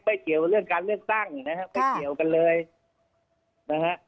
เกี่ยวเรื่องการเลือกตั้งนะฮะไม่เกี่ยวกันเลยนะฮะ